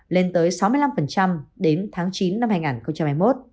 lên tới sáu mươi năm đến tháng chín năm hai nghìn hai mươi một